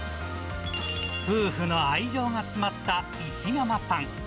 夫婦の愛情が詰まった石窯パン。